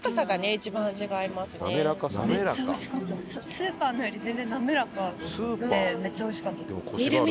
スーパーのより全然滑らかでめっちゃおいしかったです。